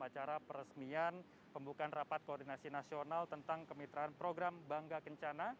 acara peresmian pembukaan rapat koordinasi nasional tentang kemitraan program bangga kencana